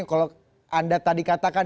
kalau anda tadi katakan